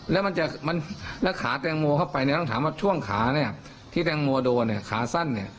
แล้วขาแตงโมเข้าไปต้องถามว่าช่วงขาที่แตงโมโดนขาสั้น